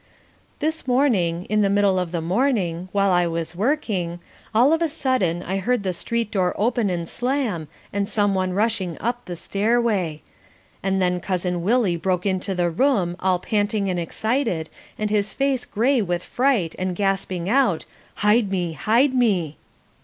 This morning, in the middle of the morning, while I was working, all of a sudden I heard the street door open and slam and some one rushing up the stairway: and then Cousin Willie broke into the room, all panting and excited, and his face grey with fright and gasping out, "Hide me, hide me!"